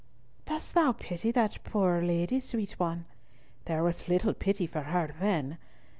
"Thou dost pity that poor lady, sweet one? There was little pity for her then!